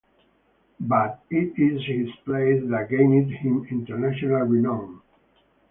But it is his plays that gained him international renown.